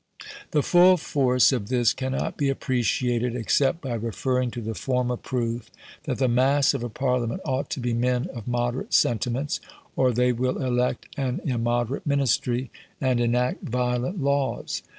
The full force of this cannot be appreciated except by referring to the former proof that the mass of a Parliament ought to be men of moderate sentiments, or they will elect an immoderate Ministry, and enact violent laws.